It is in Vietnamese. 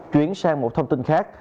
chuyển sang một thông tin khác